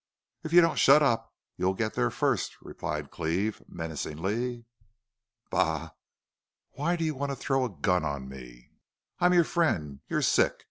"If you don't shut up you'll get there first," replied Cleve, menacingly. "Bah!... Why do you want to throw a gun on me? I'm your friend: You're sick.